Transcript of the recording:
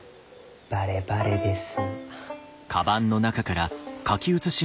バレバレです。